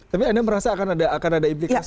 tapi anda merasa akan ada implikasi